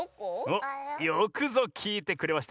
およくぞきいてくれました！